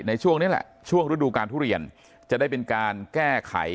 ในช่วงนี้แหละช่วงฤดูการทุเรียนจะได้เป็นการแก้ไข